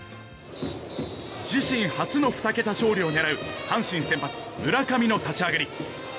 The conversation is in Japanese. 自身初の２桁勝利を狙う阪神先発、村上の立ち上がり。